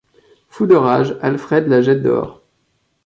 Fou de rage, Alfred la jette dehors.